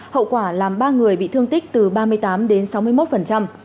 hậu quả làm ba người bị thương tích từ ba mươi tám đến sáu mươi một